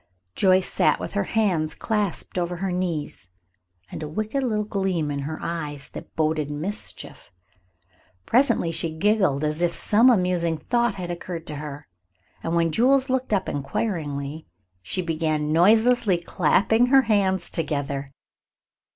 Joyce sat with her hands clasped over her knees, and a wicked little gleam in her eyes that boded mischief. Presently she giggled as if some amusing thought had occurred to her, and when Jules looked up inquiringly she began noiselessly clapping her hands together.